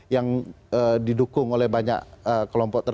yang didukung oleh banyak